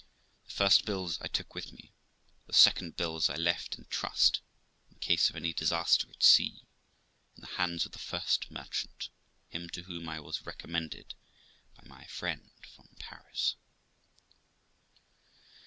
The first bills I took with me ; the second bills I left in trust (in case of any disaster at sea) in the hands of the first merchant, him to whom I was recommended by my friend from Paris.